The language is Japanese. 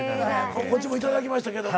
こっちも頂きましたけど。